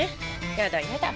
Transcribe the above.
やだやだ。